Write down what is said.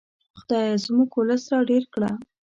خدایه زموږ ولس را ډېر کړه.